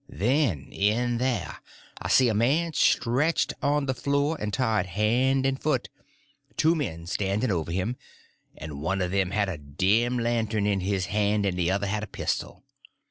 Then in there I see a man stretched on the floor and tied hand and foot, and two men standing over him, and one of them had a dim lantern in his hand, and the other one had a pistol.